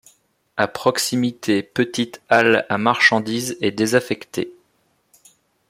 À proximité petite halle à marchandises est désaffectée.